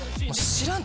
「知らん」？